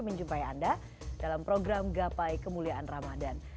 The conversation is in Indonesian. menjumpai anda dalam program gapai kemuliaan ramadhan